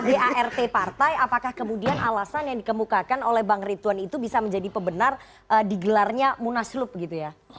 adart partai apakah kemudian alasan yang dikemukakan oleh bang ritwan itu bisa menjadi pembenar digelarnya munaslup gitu ya